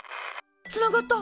つながった！